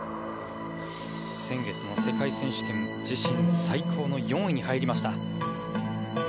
先月の世界選手権自身最高の４位に入りました。